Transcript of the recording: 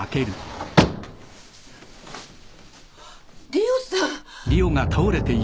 里緒さん！